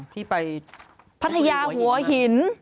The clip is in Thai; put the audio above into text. ที่ไปพัทยาหัวหิน